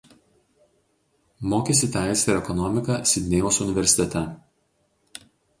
Mokėsi teisę ir ekonomiką Sidnėjaus universitete.